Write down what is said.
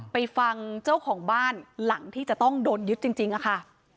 ไปฟังเจ้าของบ้านหลังที่จะต้องโดนยึดจริงค่ะ